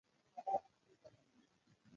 ځینې وخت ټکسي ډریوران پوښتنه کوي.